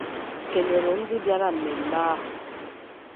kèlèrè ndị bịara mmemme ahụ